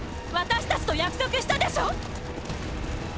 私たちと約束したでしょ？